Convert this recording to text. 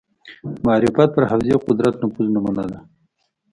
معرفت پر حوزې قدرت نفوذ نمونه ده